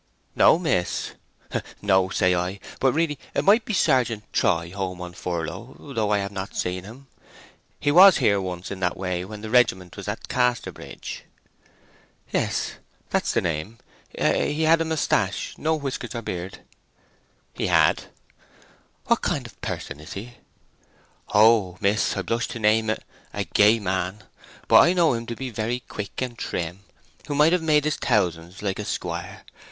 "No, miss.... No, I say; but really it might be Sergeant Troy home on furlough, though I have not seen him. He was here once in that way when the regiment was at Casterbridge." "Yes; that's the name. Had he a moustache—no whiskers or beard?" "He had." "What kind of a person is he?" "Oh! miss—I blush to name it—a gay man! But I know him to be very quick and trim, who might have made his thousands, like a squire.